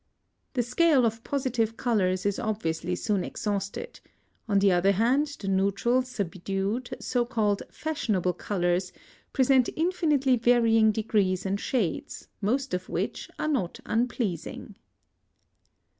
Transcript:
The scale of positive colours is obviously soon exhausted; on the other hand, the neutral, subdued, so called fashionable colours present infinitely varying degrees and shades, most of which are not unpleasing.